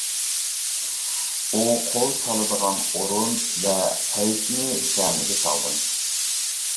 ئۇ قول سالىدىغان ئورۇن ۋە پەيتنى سەمىگە سالدىم.